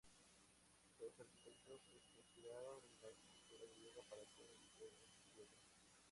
Los arquitectos se inspiraron en la cultura griega para hacer el anfiteatro.